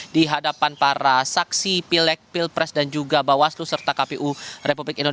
di hadapan para saksi pilek pilpres dan juga bawaslu serta kpu republik indonesia